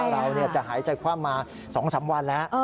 เราจะหายใจคว่ำมา๒๓วันแล้ว